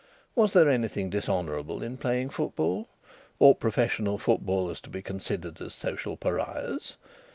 Was there anything dishonourable in playing football? Ought professional footballers to be considered as social pariahs?